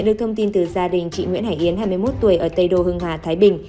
được thông tin từ gia đình chị nguyễn hải yến hai mươi một tuổi ở tây đô hưng hòa thái bình